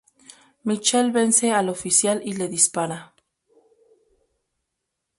Michael vence al oficial y le dispara.